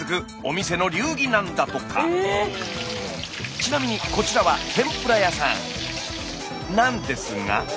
ちなみにこちらは天ぷら屋さんなんですが。